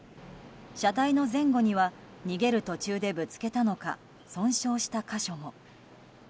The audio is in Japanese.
車体の前後には逃げる途中でぶつけたのか損傷した箇所も。